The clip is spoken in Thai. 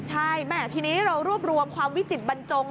ใช่แม่ทีนี้เรารวบรวมความวิจิตบรรจง